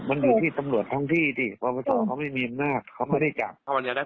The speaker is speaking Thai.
เออเดี๋ยวเดี๋ยวก็ให้เข้าไปก่อนเอ้ามึงก็โอนเข้าบันทีประนั้นน่ะ